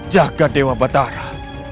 jaga dewa batara